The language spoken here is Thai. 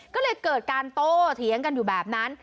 ก็เลยเกิดการโตเถียงกันอยู่แบบนั้น